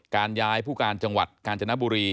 การย้ายผู้การจังหวัดกาญจนบุรี